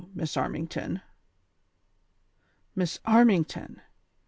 Miss Armington.'' " Miss Armington